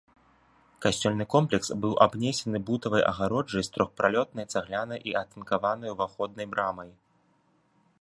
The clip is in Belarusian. Касцёльны комплекс быў абнесены бутавай агароджай з трохпралётнай цаглянай і атынкаванай уваходнай брамай.